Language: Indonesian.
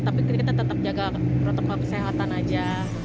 tapi kita tetap jaga protokol kesehatan aja